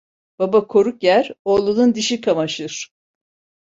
Baba koruk yer, oğlunun dişi kamaşır.